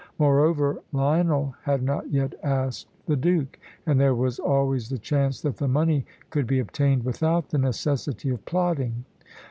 Moreover, Lionel had not yet asked the Duke, and there was always the chance that the money could be obtained without the necessity of plotting.